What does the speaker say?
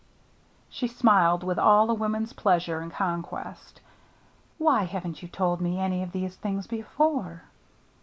She smiled, with all a woman's pleasure in conquest. " Why haven't you told me any of these things before